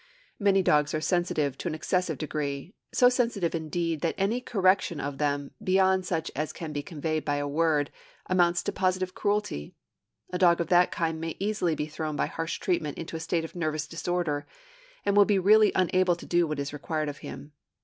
Many dogs are sensitive to an excessive degree, so sensitive indeed that any correction of them, beyond such as can be conveyed by a word, amounts to positive cruelty. A dog of that kind may easily be thrown by harsh treatment into a state of nervous disorder, and will be really unable to do what is required of him.